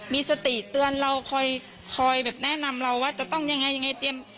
มีสติเตือนเราคอยแบบแนะนำเราว่าจะต้องยังไงยังไงเตรียม